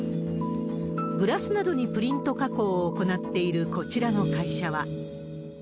グラスなどにプリント加工を行っているこちらの会社は。